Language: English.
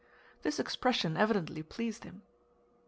This expression evidently pleased him.